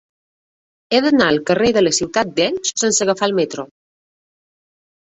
He d'anar al carrer de la Ciutat d'Elx sense agafar el metro.